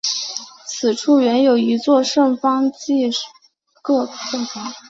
此处原有一座圣方济各教堂。